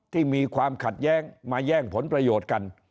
ที่มีความขัดแย้งมาแย่งผลประโยชน์กัน